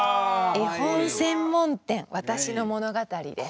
「絵本専門店わたしの物語」です。